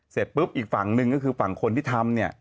เสร็จปุ๊บอีกฝั่งหนึ่งก็คือฝั่งคนที่ทำเนี่ย